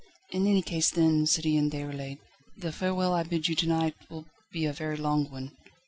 "In any case then, Citoyen Déroulède, the farewell I bid you to night will be a very long one."